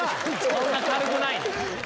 そんな軽くない！